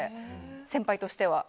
先輩としては。